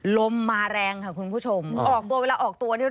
ลมมาแรงค่ะคุณผู้ชมออกตัวเวลาออกตัวเนี่ย